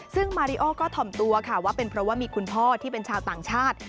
ซึ่งมาริโอก็ถ่อมตัวค่ะว่าเป็นเพราะว่ามีคุณพ่อที่เป็นชาวต่างชาติ